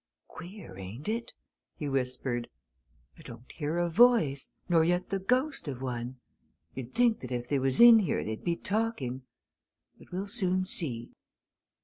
"Queer, ain't it?" he whispered. "I don't hear a voice, nor yet the ghost of one! You'd think that if they was in here they'd be talking. But we'll soon see."